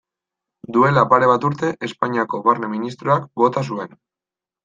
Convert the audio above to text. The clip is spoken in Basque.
Duela pare bat urte Espainiako Barne ministroak bota zuen.